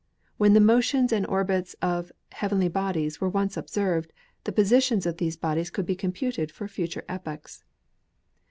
When the motions and orbits of heavenly bodies were once observed, the positions of these bodies could be computed for future epochs.